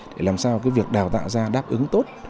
để làm sao cái việc đào tạo ra đáp ứng tốt